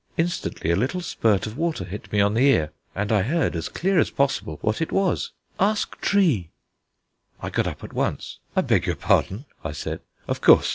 Instantly a little spirt of water hit me on the ear, and I heard, as clear as possible, what it was: "Ask tree." I got up at once. "I beg your pardon," I said, "of course.